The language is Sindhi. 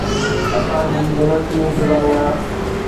اسان جي يونيورسٽي انتظاميه